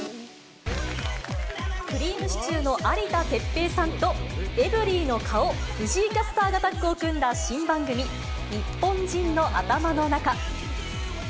くりぃむしちゅーの有田哲平さんと、エブリィの顔、藤井キャスターがタッグを組んだ新番組、ニッポン人の頭の中。